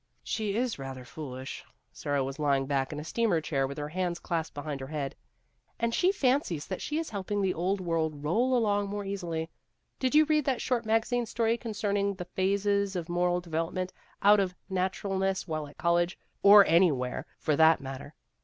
" She is rather foolish " Sara was lying back in a steamer chair with her hands clasped behind her head " and she fancies that she is helping the old world roll along more easily. Did you read that short magazine story concerning the phases of moral development out of naturalness while at college or anywhere, for that matter